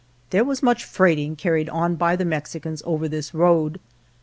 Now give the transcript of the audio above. There was much freighting carried on by the Mex icans over this road.